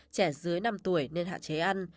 trẻ dưới năm tuổi nên hạ chế ăn